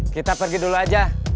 kita pergi dulu saja